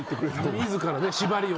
自ら縛りを。